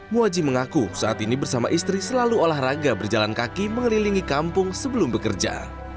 muaji mengaku saat ini bersama istri selalu olahraga berjalan kaki mengelilingi kampung sebelum bekerja